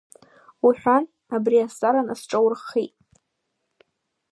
Уҳәан, абри азҵаара насҿаурххит.